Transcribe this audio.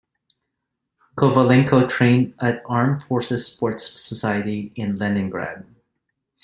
Kovalenko trained at Armed Forces sports society in Leningrad.